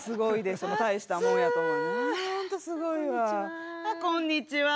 暑い、こんにちは。